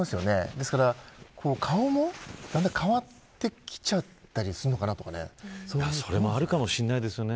ですから顔もだんだん変わってきちゃったりそれもあるかもしれないですね。